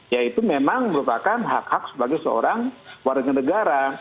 yaitu memang merupakan hak hak sebagai seorang warga negara